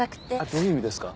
どういう意味ですか？